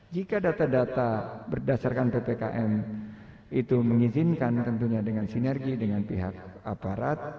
jika data data berdasarkan ppkm itu mengizinkan tentunya dengan sinergi dengan pihak aparat